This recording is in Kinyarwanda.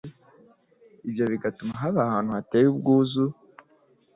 ibyo bigatuma haba ahantu hateye ubwuzu